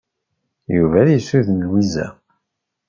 Yuba ad isuden Lwiza.